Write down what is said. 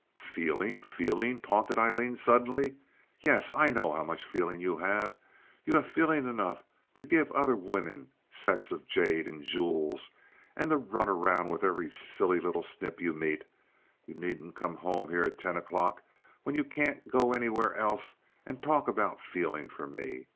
"Feeling! Feeling!" taunted Aileen, suddenly. "Yes, I know how much feeling you have. You have feeling enough to give other women sets of jade and jewels, and to run around with every silly little snip you meet. You needn't come home here at ten o'clock, when you can't go anywhere else, and talk about feeling for me.